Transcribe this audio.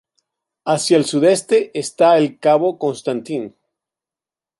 Hacia el sudeste está el "cabo Constantine".